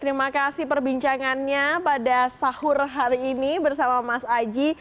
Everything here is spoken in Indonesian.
terima kasih perbincangannya pada sahur hari ini bersama mas aji